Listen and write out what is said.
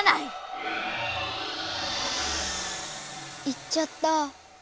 行っちゃった。